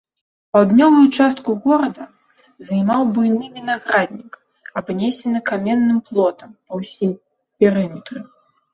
Паўднёвую частку горада займаў буйны вінаграднік, абнесены каменным плотам па ўсім перыметры.